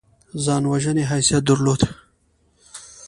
ځان وژنې حیثیت درلود.